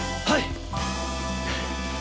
はい！